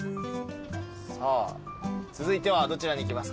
さあ続いてはどちらに行きますか？